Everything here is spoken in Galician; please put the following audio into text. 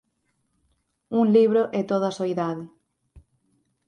Un libro e toda a soidade".